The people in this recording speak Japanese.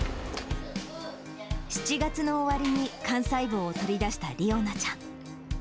７月の終わりに幹細胞を取り出した理央奈ちゃん。